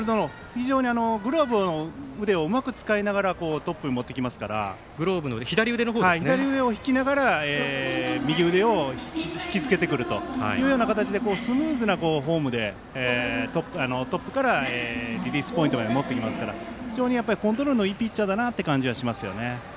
非常にグローブの腕をうまく使いながらトップに持っていきますから左腕を引きながら右腕を引き付けてくる形でスムーズなフォームでトップからリリースポイントまで持ってきますから非常にコントロールのいいピッチャーだなと感じます。